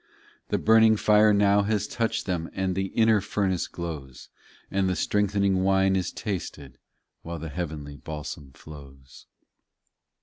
The burning fire now has touched them And the inner furnace glows; And the strengthening wine is tasted, While the heavenly balsam flows.